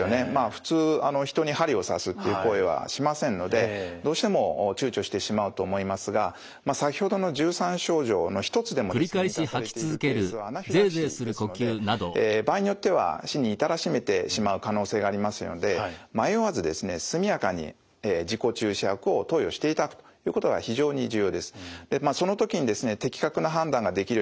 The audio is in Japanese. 普通人に針を刺すっていう行為はしませんのでどうしても躊躇してしまうと思いますが先ほどの１３症状の一つでもですね満たされているケースはアナフィラキシーですので場合によっては死に至らしめてしまう可能性がありますので迷わず速やかに自己注射薬を投与していただくということが非常に重要です。